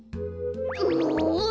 もう。